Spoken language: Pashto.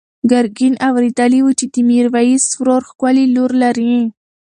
ګرګین اورېدلي وو چې د میرویس ورور ښکلې لور لري.